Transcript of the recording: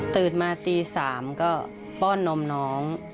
ตื่นมาตี๓ก็ป้อนนมน้อง